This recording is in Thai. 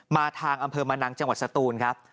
มาทางอำเภอมะนังจังหวัดสตูนครับ